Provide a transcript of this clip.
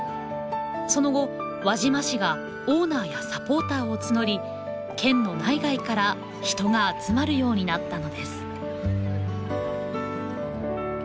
その後輪島市がオーナーやサポーターを募り県の内外から人が集まるようになったのです。